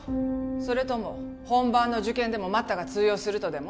それとも本番の受験でも待ったが通用するとでも？